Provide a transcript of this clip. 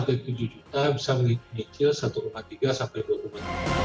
kalau empat tujuh juta bisa menyicil satu tiga dua tiga juta